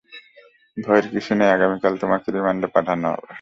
ভয়ের কিছু নেই, আগামীকাল তোমাকে রিমান্ডে পাঠানো হবে।